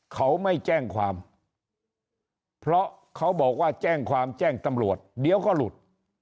เขาไม่แจ้งความเพราะเขาบอกว่าแจ้งความแจ้งตำรวจเดี๋ยวก็หลุด